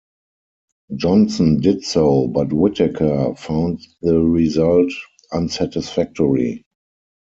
Johnson did so, but Whitaker found the result unsatisfactory.